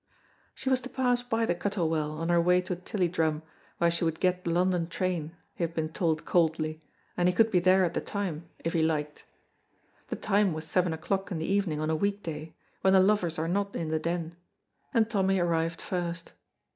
She was to pass by the Cuttle Well, on her way to Tilliedrum, where she would get the London train, he had been told coldly, and he could be there at the time if he liked. The time was seven o'clock in the evening on a week day, when the lovers are not in the Den, and Tommy arrived first.